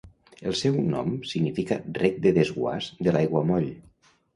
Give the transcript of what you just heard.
El seu nom significa rec de desguàs de l'aiguamoll.